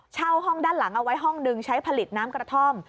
ห้องด้านหลังเอาไว้ห้องหนึ่งใช้ผลิตน้ำกระท่อม